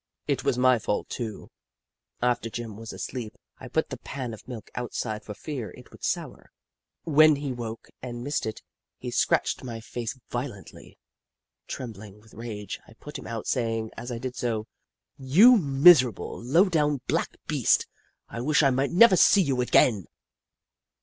It was my fault, too. After Jim was asleep, I put the pan of milk outside for fear it would sour. When he woke and missed it, he Jim Crow 135 scratched my face violently. Trembling with rage, I put him out, saying, as I did so : "You miserable, low down, black beast, I wish I might never see you again